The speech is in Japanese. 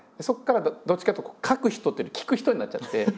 そこからどっちかっていうと「書く人」っていうより「聞く人」になっちゃって。